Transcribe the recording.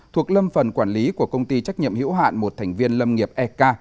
thuộc lâm phần quản lý của công ty trách nhiệm hiểu hạn một thành viên lâm nghiệp ek